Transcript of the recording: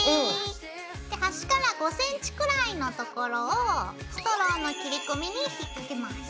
ＯＫ！で端から５ｃｍくらいの所をストローの切り込みに引っ掛けます。